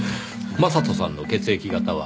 将人さんの血液型は？